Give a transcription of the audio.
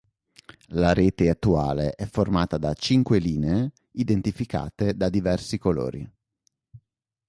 La rete attuale è formata da cinque linee identificate da diversi colori.